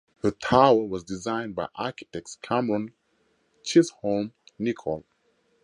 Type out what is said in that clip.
The tower was designed by architects Cameron Chisholm Nicol.